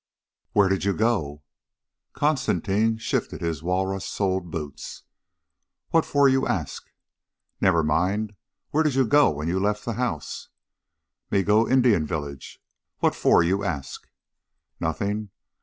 "Where did you go?" Constantine shifted his walrus soled boots. "What for you ask?" "Never mind! Where did you go when you left the house?" "Me go Indian village. What for you ask?" "Nothing.